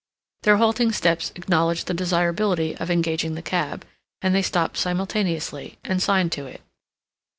Their halting steps acknowledged the desirability of engaging the cab; and they stopped simultaneously, and signed to it.